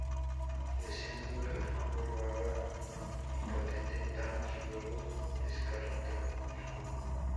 Deseando que el Cubo lo haga omnipotente, Thanos luego descarta el Cubo.